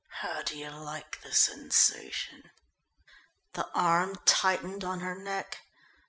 "How do you like the sensation?" The arm tightened on her neck.